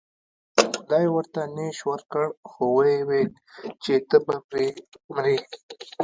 خدای ورته نیش ورکړ خو و یې ویل چې ته به پرې مرې.